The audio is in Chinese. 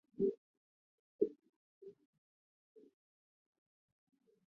将不讳其嫌者乎？